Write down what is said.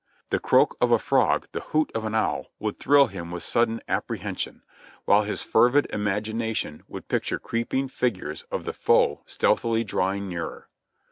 The croak of a frog, the hoot of an owl would thrill him with sudden apprehension, while his CAMP NO CAMP 73 fervid imagination would picture creeping figures of the foe stealthily drawing nearer.